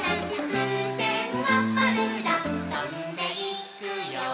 「ふうせんはパルーラ」「とんでいくよ」